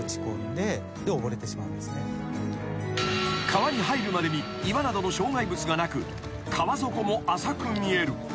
［川に入るまでに岩などの障害物がなく川底も浅く見える］